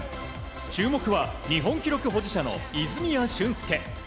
注目は日本記録保持者の泉谷駿介。